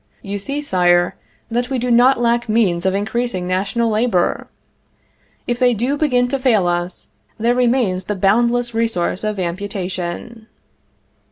You see, Sire, that we do not lack means of increasing national labor. If they do begin to fail us, there remains the boundless resource of amputation.